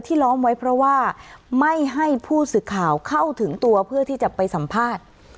ล้อมไว้เพราะว่าไม่ให้ผู้สื่อข่าวเข้าถึงตัวเพื่อที่จะไปสัมภาษณ์